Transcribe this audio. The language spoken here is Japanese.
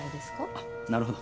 あっなるほど。